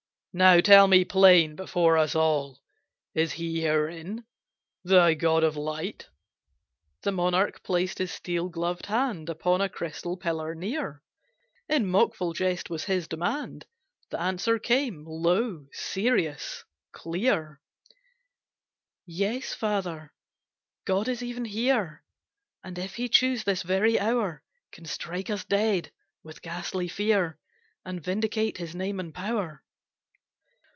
Now tell me plain, before us all, Is He herein, thy God of light?" The monarch placed his steel gloved hand Upon a crystal pillar near, In mockful jest was his demand, The answer came, low, serious, clear: "Yes, father, God is even here, And if He choose this very hour Can strike us dead, with ghastly fear, And vindicate His name and power."